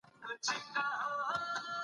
زه د الکريم قرآن درناوی کوم.